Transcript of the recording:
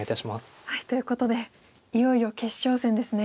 ということでいよいよ決勝戦ですね。